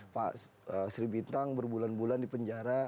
pak sri bintang berbulan bulan di penjara